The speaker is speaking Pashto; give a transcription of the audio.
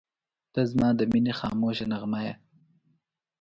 • ته زما د مینې خاموشه نغمه یې.